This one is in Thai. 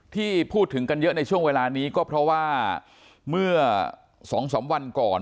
ที่พูดถึงกันเยอะในช่วงเวลานี้ก็เพราะว่าเมื่อ๒๓วันก่อน